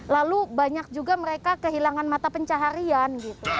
lalu banyak juga mereka kehilangan mata pencaharian gitu